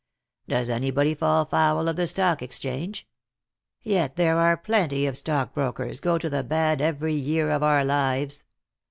Does anybody fall foul of the Stock Exchange? Yet there are plenty of stockbrokers go to the bad every year of our lives.